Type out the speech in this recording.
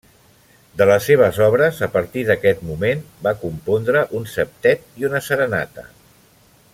De les seves obres a partir d'aquest moment, va compondre un septet i una serenata.